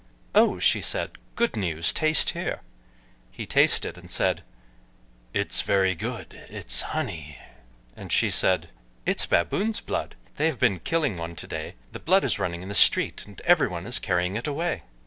"Oh!" she said, "good news, taste here." He tasted, and said, "It's very good, it's honey." And she said, "It's baboon's blood; they have been killing one to day, the blood is running in the street, and every one is carrying it away."